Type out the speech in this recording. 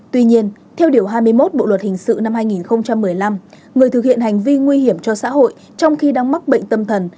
tuy nhiên theo điều hai mươi một bộ luật hình sự năm hai nghìn một mươi năm người thực hiện hành vi nguy hiểm cho xã hội trong khi đang mắc bệnh tâm thần